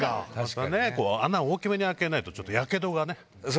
穴を大きめに開けないとやけど。